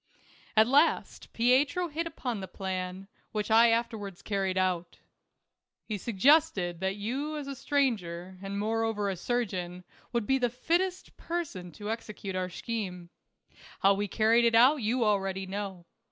At last Pietro hit upon the plan, which T afterwards carried out. He suggested that you THE CAB AVAN. 231 as a stranger, and moreover a surgeon, would be the fittest person to execute our scheme. How we carried it out you already know.